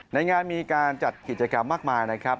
ในงานมีการจัดกิจกรรมมากมายนะครับ